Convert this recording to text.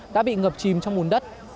đã bị ngập chìm trong mùn đất